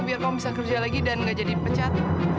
biar kamu bisa kerja lagi dan nggak jadi pecat